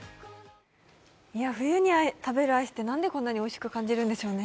冬に食べるアイスってなんでこんなにおいしく感じるんでしょうね。